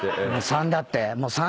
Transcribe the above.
３だって。